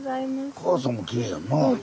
おかあさんもきれいやんなあ。